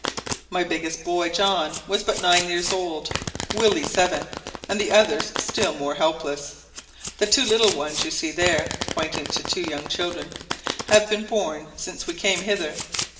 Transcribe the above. "My biggest boy John was but nine years old, Willie seven, and the others still more helpless; the two little ones you see there," pointing to two young children, "have been born since we came hither.